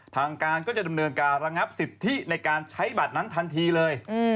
ทางการก็จะดำเนินการระงับสิทธิในการใช้บัตรนั้นทันทีเลย